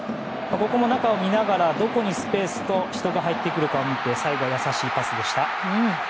中を見ながらどこにスペースと人がいるかを見て最後は優しいパスでした。